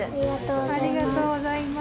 ありがとうございます。